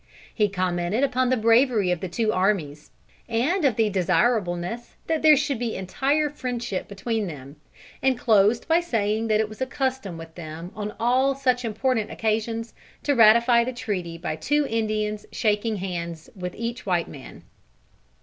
He commented upon the bravery of the two armies, and of the desirableness that there should be entire friendship between them, and closed by saying that it was a custom with them on all such important occasions to ratify the treaty by two Indians shaking hands with each white man.